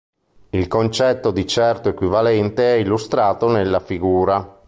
Il concetto di certo equivalente è illustrato nella figura.